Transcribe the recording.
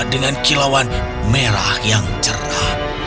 dengan kilauan beratnya